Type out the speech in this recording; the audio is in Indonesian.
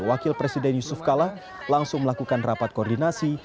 wakil presiden yusuf kala langsung melakukan rapat koordinasi